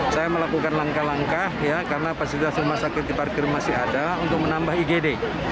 saya melakukan langkah langkah karena fasilitas rumah sakit diparkir masih ada untuk menambah igd